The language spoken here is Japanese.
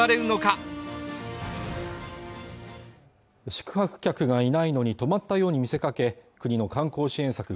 宿泊客がいないのに泊まったように見せかけ国の観光支援策